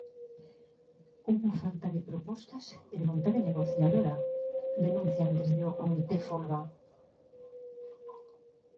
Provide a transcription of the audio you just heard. Houbo falta de propostas e de vontade negociadora, denuncian desde o comité folga.